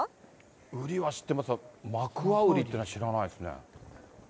ウリは知ってますが、マクワウリっていうのは知らないですね。